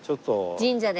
神社で。